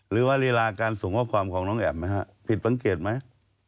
ลีลาการส่งข้อความของน้องแอบไหมฮะผิดสังเกตไหม